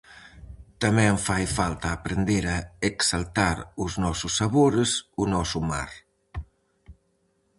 Tamén fai falta aprender a exaltar os nosos sabores, o noso mar.